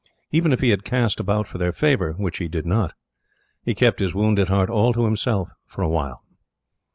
Even if he had cast about for their favor, which he did not. He kept his wounded heart all to himself for a while.